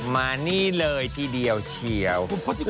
มานี่เลยทีเดียวเชียว